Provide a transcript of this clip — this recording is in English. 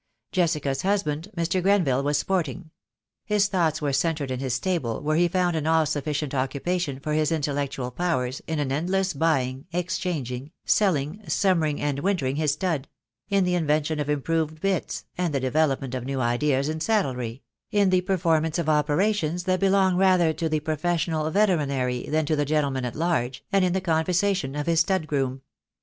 Jessica's husband, Mr. Grenville, was sporting. His thoughts were centred in his stable, where he found an all sufficient occupation for his intellectual powers in an endless buying, exchanging, selling, summering and winter THE DAY WILL COME. 135 ing his stud; in the invention of improved bits, and the development of new ideas in saddlery; in the perform ance of operations that belong rather to the professional veterinary than to the gentleman at large, and in the con versation of his stud groom.